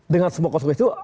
dengan semua konsekuensi itu